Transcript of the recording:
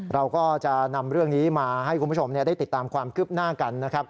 เราก็จะนำเรื่องนี้มาให้คุณผู้ชมได้ติดตามความคืบหน้ากันนะครับ